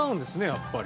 やっぱり。